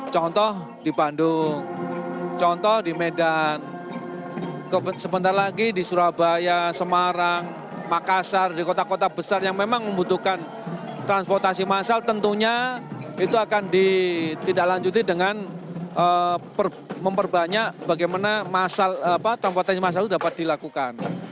contoh di bandung contoh di medan sebentar lagi di surabaya semarang makassar di kota kota besar yang memang membutuhkan transportasi massal tentunya itu akan ditidaklanjuti dengan memperbanyak bagaimana transportasi massal itu dapat dilakukan